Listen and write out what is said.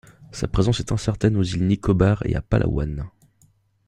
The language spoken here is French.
Sa présence est incertaine aux îles Nicobar et à Palawan.